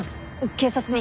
警察に。